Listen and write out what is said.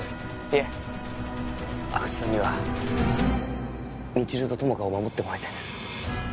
いえ阿久津さんには未知留と友果を守ってもらいたいんです